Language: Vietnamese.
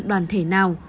đoàn thể nào